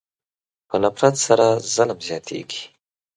په نفرت سره ظلم زیاتېږي.